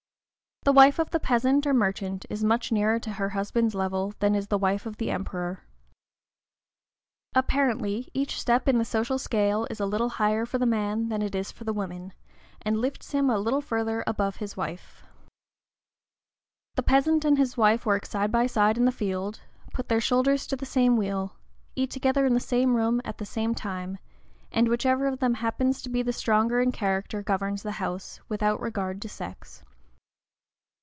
The wife of the peasant or merchant is much nearer to her husband's level than is the wife of the Emperor. Apparently, each step in the social scale is a little higher for the man than it is for the woman, and lifts him a little farther above his wife. The peasant and his wife work side by side in the field, put their shoulders to the same wheel, eat together in the same room, at the same time, and whichever of them happens to be the stronger in character governs the house, without regard to sex.